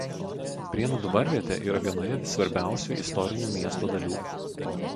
Prienų dvarvietė yra vienoje svarbiausių istorinių miesto dalių.